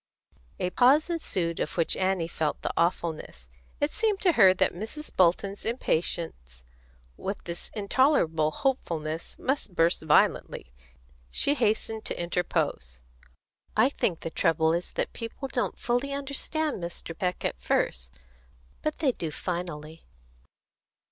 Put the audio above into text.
A pause ensued, of which Annie felt the awfulness. It seemed to her that Mrs. Bolton's impatience with this intolerable hopefulness must burst violently. She hastened to interpose. "I think the trouble is that people don't fully understand Mr. Peck at first. But they do finally."